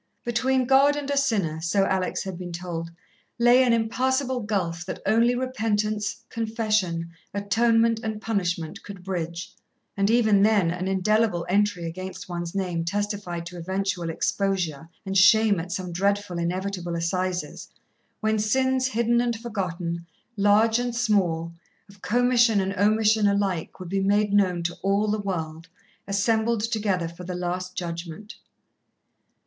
Between God and a sinner, so Alex had been told, lay an impassable gulf that only repentance, confession, atonement and punishment, could bridge and even then, an indelible entry against one's name testified to eventual exposure and shame at some dreadful, inevitable assizes, when sins hidden and forgotten, large and small, of commission and omission alike, would be made known to all the world, assembled together for the Last Judgment.